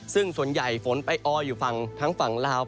ซึ่งส่วนใหญ่ฝนไปอออยู่ฝั่งทั้งฝั่งลาว